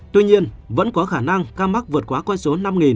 tuy nhiên vẫn có khả năng ca mắc vượt quá quan số năm